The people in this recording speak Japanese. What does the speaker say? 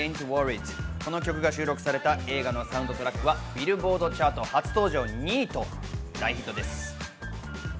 この曲が収録された映画のサウンドトラックはビルボードチャート初登場２位と大ヒットです。